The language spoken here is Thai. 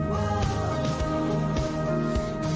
โว้ว